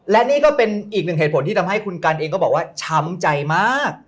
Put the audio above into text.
และนี่ก็เป็นอีกหนึ่งเหตุผลที่ทำให้คุณกันเองก็บอกว่าช้ำใจมาก